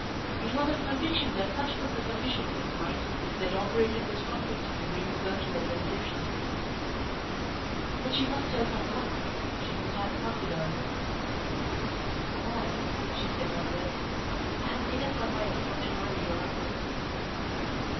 It was her conviction that such was the condition of his mind that operated the strongest in bringing her to her resolution. But she must tell some one. She must have a confidante. "Maude," she said one day, "I have made up my mind not to marry your uncle."